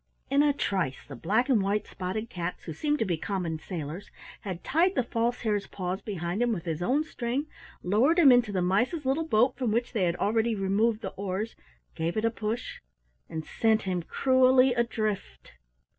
In a trice the black and white spotted cats, who seemed to be common sailors, had tied the False Hare's paws behind him with his own string, lowered him into the mice's little boat from which they had already removed the oars, gave it a push, and sent him cruelly adrift!